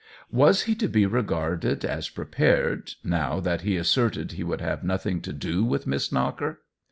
Was he to be regarded as prepared, now that he asserted he would have nothing to do with Miss Knocker?